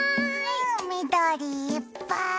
うんみどりいっぱい。